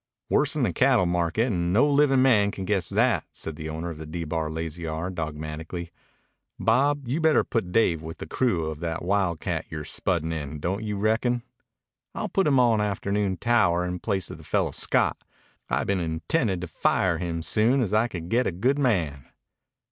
"Worse'n the cattle market, and no livin' man can guess that," said the owner of the D Bar Lazy R dogmatically. "Bob, you better put Dave with the crew of that wildcat you're spuddin' in, don't you reckon?" "I'll put him on afternoon tower in place of that fellow Scott. I've been intendin' to fire him soon as I could get a good man."